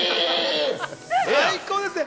最高ですね。